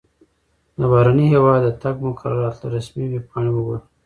د بهرني هیواد د تګ مقررات له رسمي ویبپاڼې وګوره.